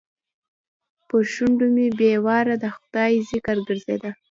پر شونډو مې بې واره د خدای ذکر ګرځېده.